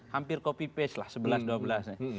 hampir copy paste lah sebelas dua belas nya